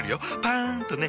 パン！とね。